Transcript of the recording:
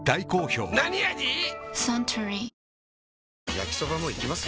焼きソバもいきます？